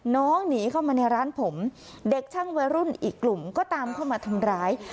น้องหนีเข้ามาในร้านผมเด็กช่างวัยรุ่นอีกกลุ่มก็ตามเข้ามาทำร้าย